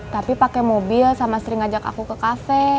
tapi pake mobil sama sering ajak aku ke kafe